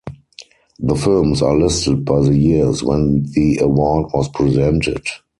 The films are listed by the years when the award was presented.